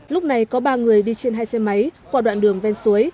lúc này có ba người đi trên hai xe máy qua đoạn đường ven suối